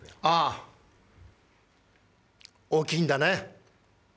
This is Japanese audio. あぁ大きいんだね。